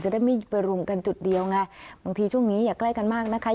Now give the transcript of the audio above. ได้ไม่ไปรวมกันจุดเดียวไงบางทีช่วงนี้อย่าใกล้กันมากนะคะ